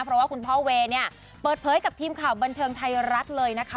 เพราะว่าคุณพ่อเวย์เนี่ยเปิดเผยกับทีมข่าวบันเทิงไทยรัฐเลยนะคะ